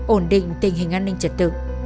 ổn định tình hình an ninh trật tự